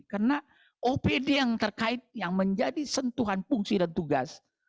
karena opd yang terkait yang menjadi sentuhan fungsi dan tugas